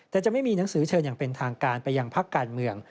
แต่จะไม่มีหนังสือเชิญอย่างเป็นทางการไปยังพักการเมือง